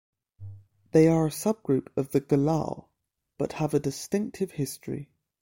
They are a subgroup of the Gelao but have a distinctive history.